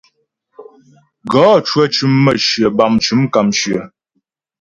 Gɔ cwə cʉm mə̌shyə bâm mcʉm kàmshyə.